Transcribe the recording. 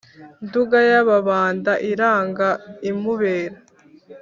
nduga y'ababanda iranga imubera